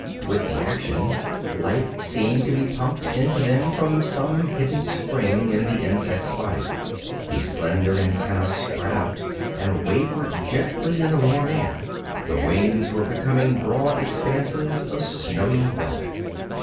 With the action, life seemed to be pumped into them from some hidden spring in the insect's body. The slender antennæ spread out and wavered gently in the warm air. The wings were becoming broad expanses of snowy velvet.